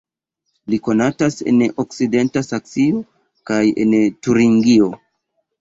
Li konatas en okcidenta Saksio kaj en Turingio.